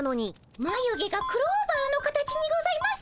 まゆ毛がクローバーの形にございます。